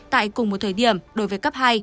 tại cùng một thời điểm đối với cấp hai